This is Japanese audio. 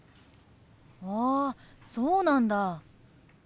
あそうなんだ。